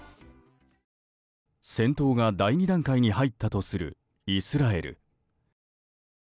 戦闘が第２段階に入ったとするイスラエル。